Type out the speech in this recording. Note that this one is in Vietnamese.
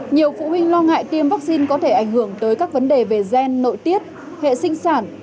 nhiều phụ huynh lo ngại tiêm vaccine có thể ảnh hưởng tới các vấn đề về gen nội tiết hệ sinh sản